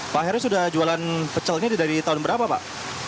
pak heru sudah jualan pecelnya dari tahun berapa pak